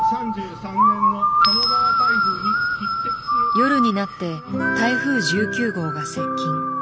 夜になって台風１９号が接近。